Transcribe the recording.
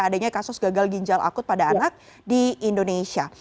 adanya kasus gagal ginjal akut pada anak di indonesia